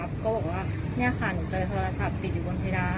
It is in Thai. ก็บอกว่าเนี่ยค่ะหนูเจอโทรศัพท์ติดอยู่บนเพดา